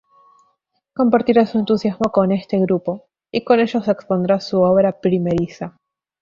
Compartirá su entusiasmo con este grupo, y con ellos expondrá su obra primeriza.